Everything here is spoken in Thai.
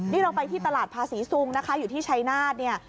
นี่เราไปที่ตลาดภาษีซุงนะคะอยู่ที่ชัยนาธเนี่ย